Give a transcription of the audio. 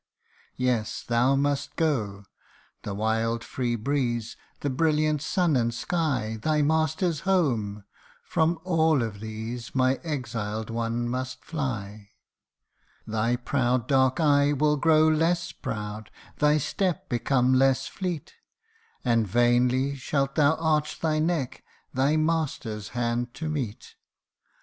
Yes, thou must go ! the wild free breeze, the brilliant sun and sky, Thy master's home from all of these, my exiled one must % Thy proud dark eye will grow less proud, thy step become less fleet, And vainly shalt thou arch thy neck, thy master's hand to meet.